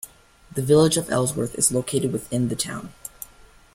The Village of Ellsworth is located within the town.